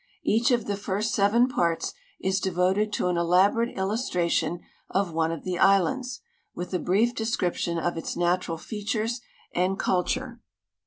Each of the first seven parts is de voted to an elaborate illustration of one of the islands, with a brief de scription of its natural features and culture.